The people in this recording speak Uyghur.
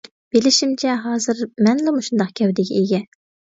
بىلىشىمچە ھازىر مەنلا مۇشۇنداق گەۋدىگە ئىگە.